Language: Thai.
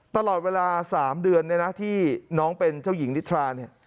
ตลอดเวลา๓เดือนเนี่ยนะที่น้องเป็นเจ้าหญิงนิทราเนี่ย